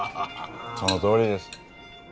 そのとおりです。